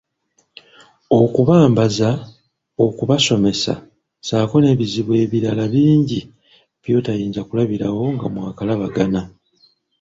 Okubambaza, okubasomesa, ssaako n'ebizibu ebirala bingi by'otayinza kulabirawo nga mwakalabagana.